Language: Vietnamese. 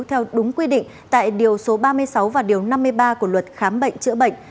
theo đúng quy định tại điều số ba mươi sáu và điều năm mươi ba của luật khám bệnh chữa bệnh